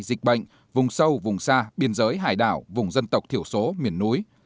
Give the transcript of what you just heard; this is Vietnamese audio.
dịch bệnh vùng sâu vùng xa biên giới hải đảo vùng dân tộc thiểu số miền núi